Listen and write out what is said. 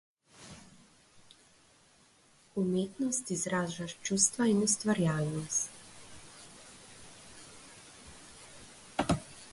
Umetnost izraža čustva in ustvarjalnost.